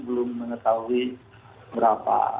belum mengetahui berapa